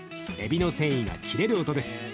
えびの繊維が切れる音です。